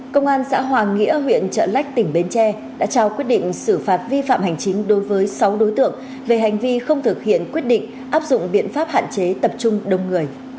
công an xã hòa nghĩa huyện trợ lách tỉnh bến tre đã trao quyết định xử phạt vi phạm hành chính đối với sáu đối tượng về hành vi không thực hiện quyết định áp dụng biện pháp hạn chế tập trung đông người